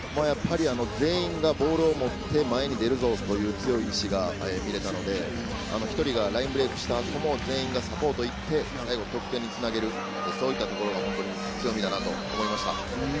全員がボールを持って前に出るぞという強い意志が見られたので、１人がラインブレイクした後も全員がサポートに行って、最後得点につなげる、そういったところは本当に強みだと思いました。